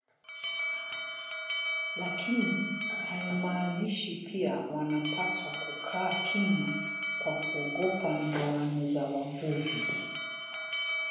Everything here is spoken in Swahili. Lakini haimaanishi pia wanapaswa kukaa kimya kwa kuogopa ndoano za wavuvi